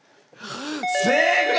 正解！